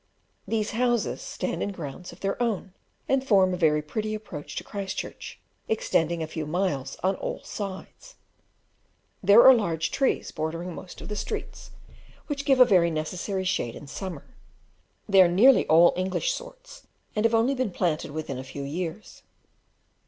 These houses stand in grounds of their own, and form a very pretty approach to Christchurch, extending a few miles on all sides: There are large trees bordering most of the streets, which give a very necessary shade in summer; they are nearly all English sorts, and have only been planted within a few years.